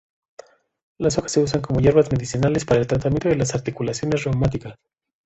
Las hojas se usan como hierbas medicinales para el tratamiento de las articulaciones reumáticas.